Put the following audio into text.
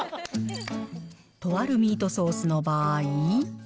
とあるミートソースの場合。